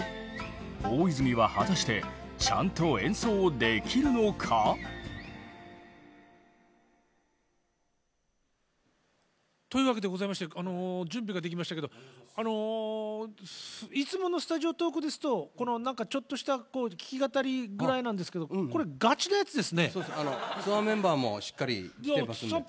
大泉は果たしてちゃんと演奏できるのか？というわけでございましてあの準備ができましたけどあのいつものスタジオトークですとこの何かちょっとした弾き語りぐらいなんですけどツアーメンバーもしっかり来てますんで。